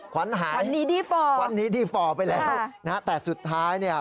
ขวัญหายขวัญนี้ดีฟอร์ไปแล้วนะฮะแต่สุดท้ายนี่